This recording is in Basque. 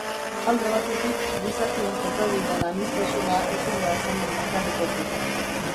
Alde batetik, gizakien jokabideen aniztasuna ezin da azaldu mekanikoki.